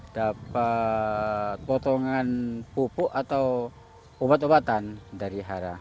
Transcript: dapat potongan pupuk atau ubat ubatan dari hara